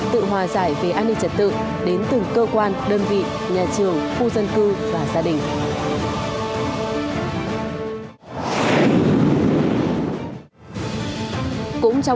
tự hòa giải về an ninh trật tự đến từng cơ quan đơn vị nhà trường khu dân cư và gia đình